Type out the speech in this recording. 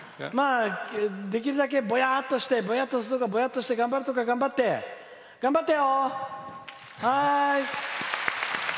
できるだけ、ぼやーっとしてぼやっとするところはぼやっとして頑張るときは頑張ってよ！